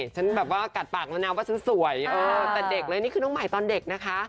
ฉันแบบว่ากัดปากแล้วนะว่าฉันสวยแต่เด็กเลยนี่คือน้องใหม่ตอนเด็กนะคะ